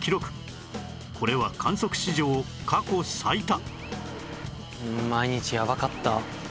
これは観測史上過去最多